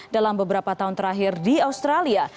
dalam beberapa tahun terakhir di australia